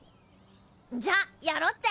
じゃあやろっぜ！